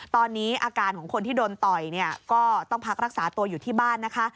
ตอนนี้อาการของคนที่โดนต่อยเนี่ยก็ต้องพักรักษาตัวอยู่ที่บ้านนะคะ